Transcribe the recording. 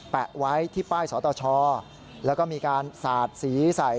ไว้ที่ป้ายสตชแล้วก็มีการสาดสีใส่